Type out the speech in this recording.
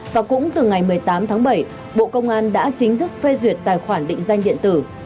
và cũng từ ngày một mươi tám tháng bảy bộ công an đã chính thức phê duyệt tài khoản định danh điện tử